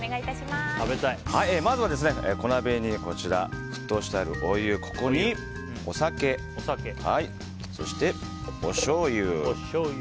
まずは小鍋に沸騰してあるお湯、ここにお酒そして、おしょうゆ。